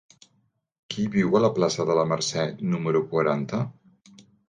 Qui viu a la plaça de la Mercè número quaranta?